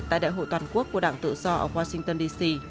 tại đại hội toàn quốc của đảng tự do ở washington dc